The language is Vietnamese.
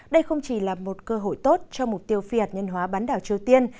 đây không chỉ là một cơ hội tốt cho mục tiêu phi hạt nhân hóa bán đảo triều tiên